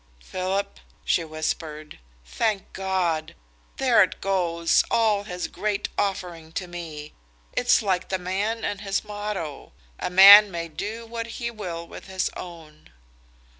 "Philip," she whispered, "thank God! There it goes, all his great offering to me! It's like the man and his motto 'A man may do what he will with his own.'